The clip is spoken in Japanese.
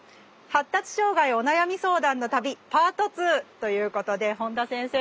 「“発達障害”お悩み相談の旅パート２」ということで本田先生